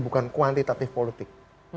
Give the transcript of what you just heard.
bukan kuantitatif politik